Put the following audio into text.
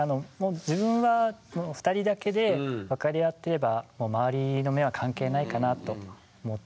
自分は２人だけで分かり合っていればもう周りの目は関係ないかなと思っていますね。